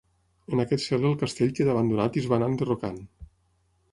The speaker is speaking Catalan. En aquest segle el castell queda abandonat i es va anar enderrocant.